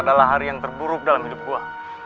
adalah hari yang terburuk dalam hidup gua